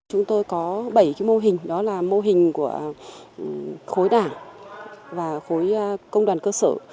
chúng tôi có bảy mô hình đó là mô hình của khối đảng và khối công đoàn cơ sở